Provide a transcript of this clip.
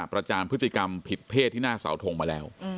จานพฤติกรรมผิดเพศที่หน้าเสาทงมาแล้ว